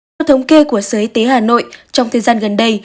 theo thống kê của sở y tế hà nội trong thời gian gần đây